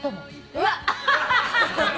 うわっ。